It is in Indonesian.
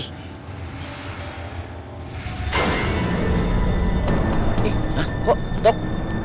hah kok tok